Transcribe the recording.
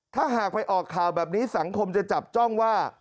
ถ้าหากไปออกข่าวแบบนี้สังคมจะจับจ้องว่า